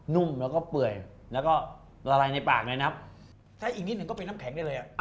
นุ่มแล้วก็เปื่อยแล้วก็ละลายในปากเลยนะครับถ้าอีกนิดหนึ่งก็เป็นน้ำแข็งได้เลยอ่ะ